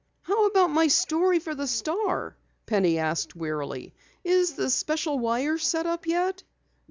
"How about my story to the Star?" Penny asked wearily. "Is the special wire set up yet?"